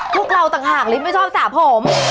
พวกเราต่างหากลิฟต์ไม่ชอบสระผม